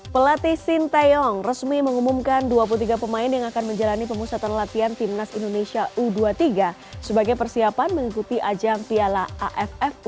pelatih sintayong resmi mengumumkan dua puluh tiga pemain yang akan menjalani pemusatan latihan timnas indonesia u dua puluh tiga sebagai persiapan mengikuti ajang piala aff u dua puluh tiga dua ribu dua puluh tiga